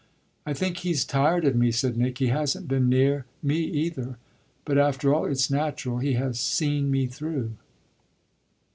"I think he's tired of me," said Nick; "he hasn't been near me either. But after all it's natural he has seen me through."